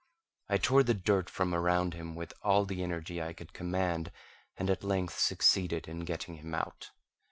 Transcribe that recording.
I tore the dirt from around him with all the energy I could command, and at length succeeded in getting him out.